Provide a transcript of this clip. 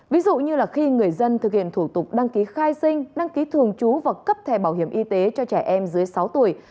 ví dụ như khi người dân thực hiện thủ tục đăng ký khai sinh đăng ký thường trú và cấp thẻ bảo hiểm y tế cho trẻ em dưới sáu tuổi